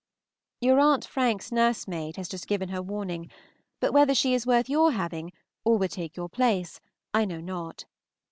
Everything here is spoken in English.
Your Aunt Frank's nursemaid has just given her warning, but whether she is worth your having, or would take your place, I know not.